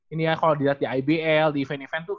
ini ya kalau dilihat di ibl di event event tuh